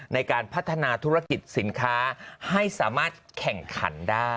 ในการพัฒนาธุรกิจสินค้าให้สามารถแข่งขันได้